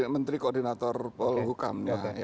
menteri koordinator polhukam